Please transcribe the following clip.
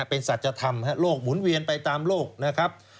เป็นสัจธรรมโลกหมุนเวียนไปตามโลกนะครับ